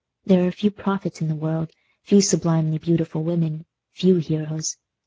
There are few prophets in the world; few sublimely beautiful women; few heroes.